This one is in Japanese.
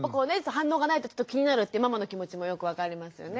反応がないとちょっと気になるってママの気持ちもよく分かりますよね。